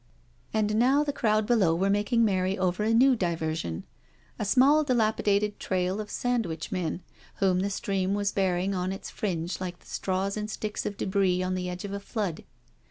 And now the crowd below were making merry over a new diversion— a small delapidated trail of sandwich men, whom the stream was bearing on its fringe like the straws and sticks of debris on the edge of a flood.